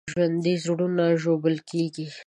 ژوندي زړونه ژوبل کېږي